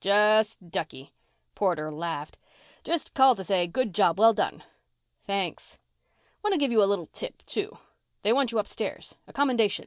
Just ducky." Porter laughed. "Just called to say, 'Good job well done.'" "Thanks." "Want to give you a little tip, too. They want you upstairs. A commendation.